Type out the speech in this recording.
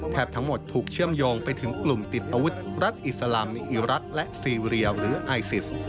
ทั้งหมดถูกเชื่อมโยงไปถึงกลุ่มติดอาวุธรัฐอิสลามมีอิรักษ์และซีเรียหรือไอซิส